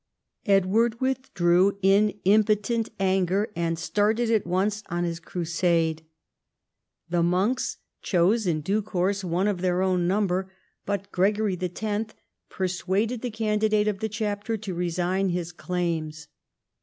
Edward withdrew in impotent anger, and started at once on his Crusade. The monks chose in due course one of their own number, but Gregory X. persuaded the candidate of the chapter to resign his claims.